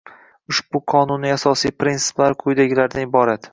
Ushbu Qonunning asosiy prinsiplari quyidagilardan iborat: